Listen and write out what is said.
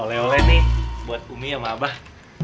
ole ole nih buat umi sama abah